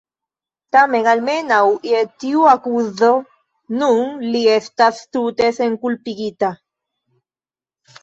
Tamen, almenaŭ je tiu akuzo, nun li estas tute senkulpigita.